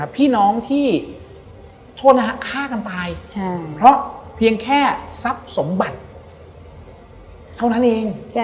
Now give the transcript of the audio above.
พี่น้องที่โทษนะฮะฆ่ากันตายเพราะเพียงแค่ทรัพย์สมบัติเท่านั้นเอง